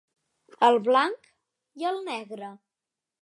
El blanc i el negre.